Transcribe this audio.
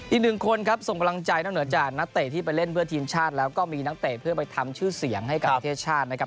อีกหนึ่งคนครับส่งกำลังใจนอกเหนือจากนักเตะที่ไปเล่นเพื่อทีมชาติแล้วก็มีนักเตะเพื่อไปทำชื่อเสียงให้กับประเทศชาตินะครับ